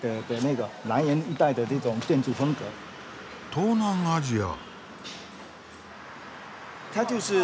東南アジア！